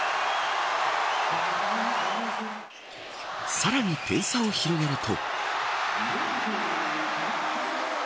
さらに点差を広げると。